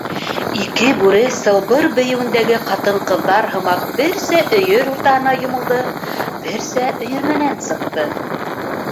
Ике бүре сылбыр бейеүендәге ҡатын-ҡыҙҙар һымаҡ берсә өйөр уртаһына йомолдо, берсә өйөрмәнән сыҡты.